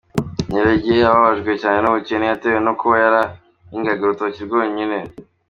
Niragiye yababajwe cyane n’ubukene yatewe no kuba yarahingaga urutoki rwonyine.